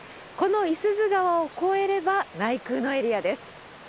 この五十鈴川を越えれば内宮のエリアです。